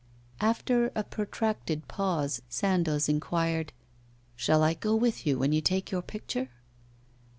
After a protracted pause, Sandoz inquired: 'Shall I go with you when you take your picture?